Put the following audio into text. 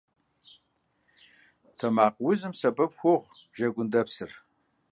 Тэмакъ узым сэбэп хуохъу жэгундэпсыр.